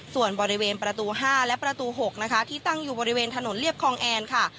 ส่วนบริเวณประตู๕และประตู๖นะคะที่ตั้งอยู่บริเวณถนนเรียบคลองแอนค่ะ